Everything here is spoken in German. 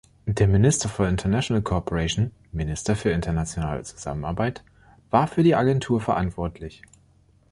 Der Minister for International Cooperation (Minister für internationale Zusammenarbeit) war für die Agentur verantwortlich.